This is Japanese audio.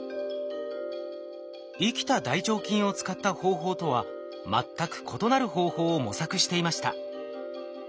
生きた大腸菌を使った方法とは全く異なる方法を模索していました。